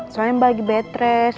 soalnya mbak lagi bed rest